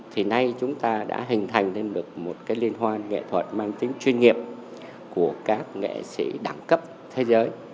thì nay chúng ta đã hình thành lên được một cái liên hoan nghệ thuật mang tính chuyên nghiệp của các nghệ sĩ đẳng cấp thế giới